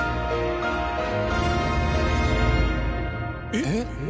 えっ？